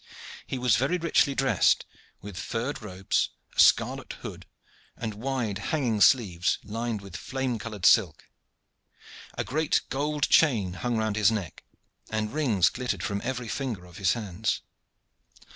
He was very richly dressed, with furred robes, a scarlet hood, and wide hanging sleeves lined with flame colored silk. A great gold chain hung round his neck, and rings glittered from every finger of his hands.